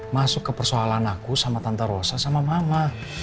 masuk ke persoalan aku sama tante rosa sama mama